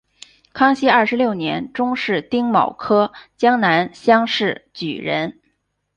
康熙二十六年中式丁卯科江南乡试举人。